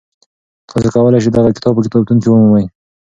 تاسو کولی شئ دغه کتاب په کتابتون کي ومومئ.